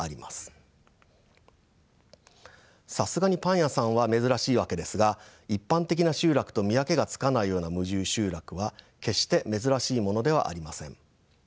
さすがにパン屋さんは珍しいわけですが一般的な集落と見分けがつかないような無住集落は決して珍しいものではありません。